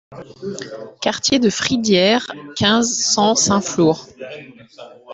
Quartier de Fridières, quinze, cent Saint-Flour